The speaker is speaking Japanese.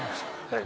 はい。